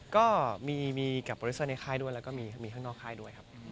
ก็มีกับโปรดิเซอร์ในค่ายด้วยแล้วก็มีข้างนอกค่ายด้วยครับ